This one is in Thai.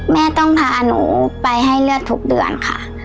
แม่ต้องพาหนูไปให้เลือดทุกเดือนค่ะ